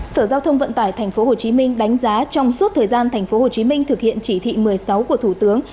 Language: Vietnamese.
sở giao thông vận tải tp hcm đánh giá trong suốt thời gian tp hcm thực hiện chỉ thị một mươi sáu của thủ tướng